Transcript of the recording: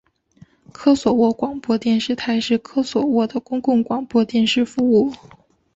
科索沃广播电视台是科索沃的公共广播电视服务。